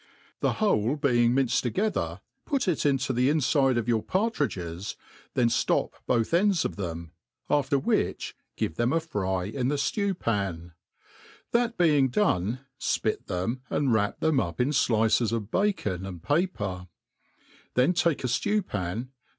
The whole being mrnced together, put it into the infidfe of your partrid« * ges, th6n flop both ends of them, after which give them a fry. m ihh {lew pan ; that being done, fpit them, and wrap them up in flices of bacon and paper; then take a ftiew pan, and.